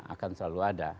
akan selalu ada